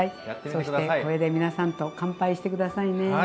そしてこれで皆さんと乾杯して下さいね。